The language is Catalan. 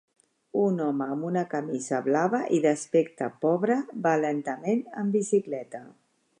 Un home amb una camisa blava i d'aspecte pobre va lentament en bicicleta.